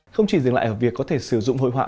không chỉ dừng lại ở việc có thể sử dụng hội họa